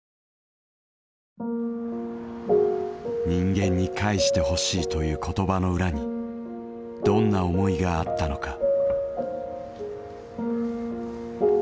「人間に返してほしい」という言葉の裏にどんな思いがあったのか。